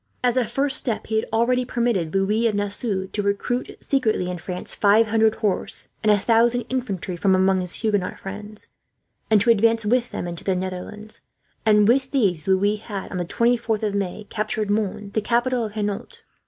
As a first step, he had already permitted Louis of Nassau to recruit secretly, in France, five hundred horse and a thousand infantry from among his Huguenot friends, and to advance with them into the Netherlands; and with these Louis had, on the 24th of May, captured Mons, the capital of Hainault.